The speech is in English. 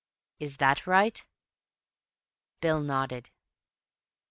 Is that right?" Bill nodded.